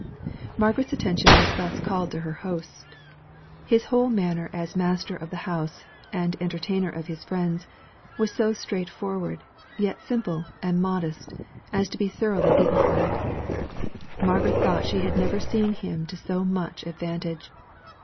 Margaret's attention was thus called to her host; his whole manner, as master of the house, and entertainer of his friends, was so straightforward, yet simple and modest, as to be thoroughly dignified. Margaret thought she had never seen him to so much advantage.